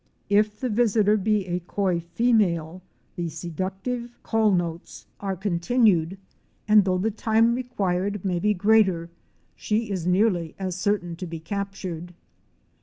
If the visitor be a coy female, the seductive call notes 128 OUR SEARCH FOR A WILDERNESS. are continued, and, though the time required may be greater, she is nearly as certain to be captured.